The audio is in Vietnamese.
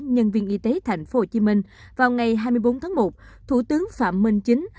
nhân viên y tế tp hcm vào ngày hai mươi bốn tháng một thủ tướng phạm minh chính